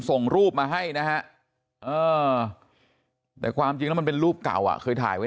ส่งรูปมาให้นะฮะแต่ความจริงแล้วมันเป็นรูปเก่าเคยถ่ายไว้